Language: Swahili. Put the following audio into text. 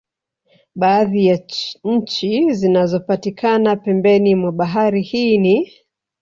Baadhi ya nchi zinazopatikana pembeni mwa bahari hii ni